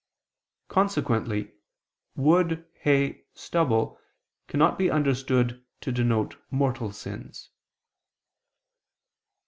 Consequently wood, hay, stubble cannot be understood to denote mortal sins.